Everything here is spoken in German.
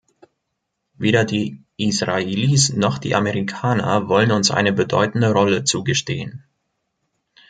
Weder die Israelis noch die Amerikaner wollen uns eine bedeutende Rolle zugestehen.